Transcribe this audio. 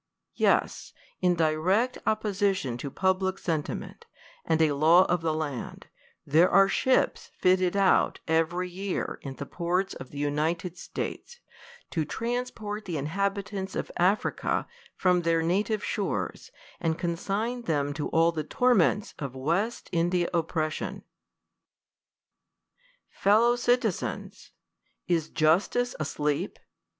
Yes, in direct opposition to public sentiment, and a law of the land, there are ships fitted out, every year, in the ports of the United States, to transport the in habitants of Africa, from their native shores, and con sign them to all the torments of West India oppression. Fellow citizens ! is Justice asleep